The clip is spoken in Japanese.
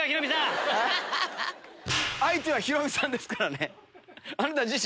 相手はヒロミさんですからね。